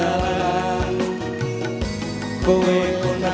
rapat dengan ku